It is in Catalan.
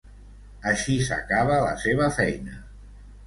Així s'acaba la seva feina.